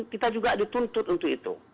kita juga dituntut untuk itu